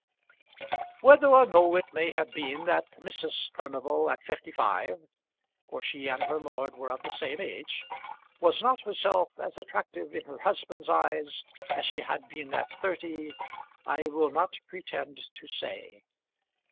Whether or no it may have been that Mrs. Furnival at fifty five for she and her lord were of the same age was not herself as attractive in her husband's eyes as she had been at thirty, I will not pretend to say.